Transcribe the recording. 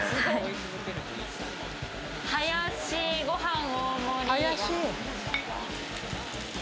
ハヤシご飯大盛り。